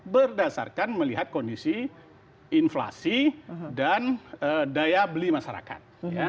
berdasarkan melihat kondisi inflasi dan daya beli masyarakat